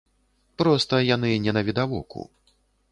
Проста яны не навідавоку.